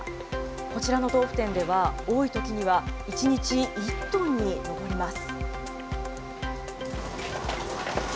こちらの豆腐店では、多いときには１日１トンに上ります。